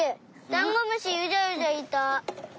ダンゴムシうじゃうじゃいた！